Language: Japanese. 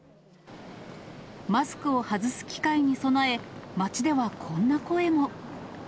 マスクを外す機会に備え、街ではこんな声も。